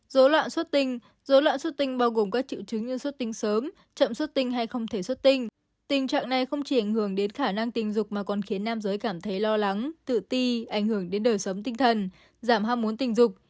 dối loạn xuất tinh dối loạn xuất tinh bao gồm các triệu chứng như xuất tinh sớm chậm xuất tinh hay không thể xuất tinh tình trạng này không chỉ ảnh hưởng đến khả năng tình dục mà còn khiến nam giới cảm thấy lo lắng tự ti ảnh hưởng đến đời sống tinh thần giảm ham muốn tình dục